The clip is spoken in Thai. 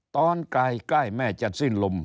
ตอนใกล้แม่จะสิ้นลม